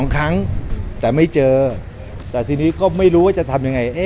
๒ครั้งแต่ไม่เจอแต่ทีนี้ก็ไม่รู้ว่าจะทำยังไง